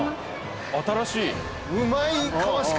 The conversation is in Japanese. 新しい。